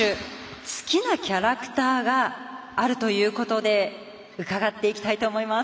好きなキャラクターがあるということで伺っていきたいと思います。